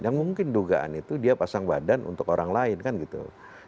yang mungkin dugaan itu dia pasang badan untuk orang lain kan gitu